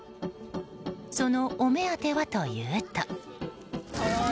そのお目当てはというと。